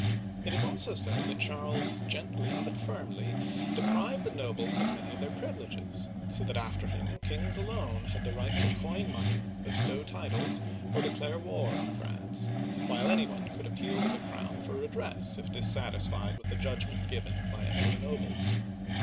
It is also said that Charles gently but firmly deprived the nobles of many of their privileges, so that after him kings alone had the right to coin money, bestow titles, or declare war in France, while any one could appeal to the crown for redress, if dissatisfied with the judgment given by any of the nobles.